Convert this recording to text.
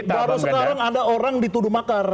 baru sekarang ada orang dituduh makar